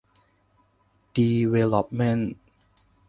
ดีเวล๊อปเมนต์